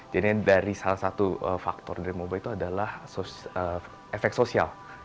jadi dari salah satu faktor dari moba itu adalah efek sosial